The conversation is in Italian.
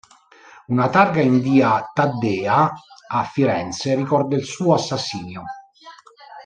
Una targa in via Taddea a Firenze ricorda il suo assassinio.